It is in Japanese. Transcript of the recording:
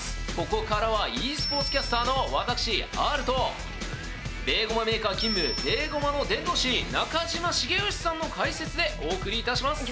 ここからはｅスポーツキャスターの私アールとベーゴマメーカー勤務ベーゴマの伝道師中島しげよしさんの解説でお送りいたします。